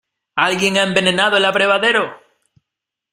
¡ Alguien ha envenenado el abrevadero!